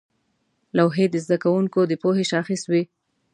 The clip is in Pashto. لوحې د زده کوونکو د پوهې شاخص وې.